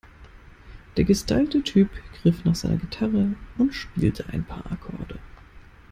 Der gestylte Typ griff nach seiner Gitarre und spielte ein paar Akkorde.